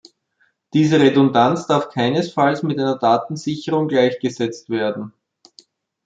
Diese Redundanz darf keinesfalls mit einer Datensicherung gleichgesetzt werden.